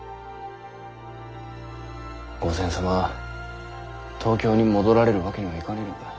御前様は東京に戻られるわけにはいかねぇのか。